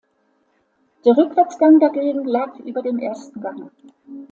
Der Rückwärtsgang dagegen lag über dem ersten Gang.